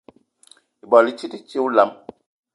Ibwal i tit i ti olam.